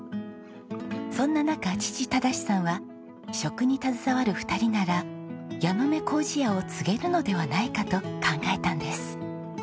そんな中父忠さんは「食に携わる２人なら矢ノ目糀屋を継げるのではないか」と考えたんです。